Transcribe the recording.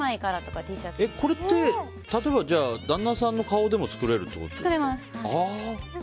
これって例えば旦那さんの顔でも作れるってことですか。